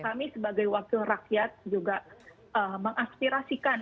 jadi saya sebagai wakil rakyat juga mengaspirasikan